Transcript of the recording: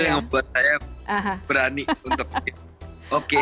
itu yang membuat saya berani untuk oke